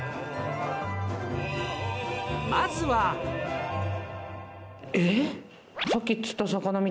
まずはえ？